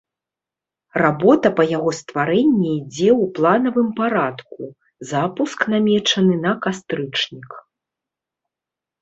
Работа па яго стварэнні ідзе ў планавым парадку, запуск намечаны на кастрычнік.